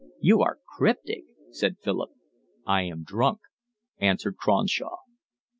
"You are cryptic," said Philip. "I am drunk," answered Cronshaw.